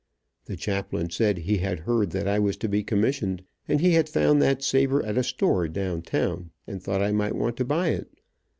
The chaplain said he had heard that I was to be commissioned, and he had found that saber at a store down town, and thought I might want to buy it.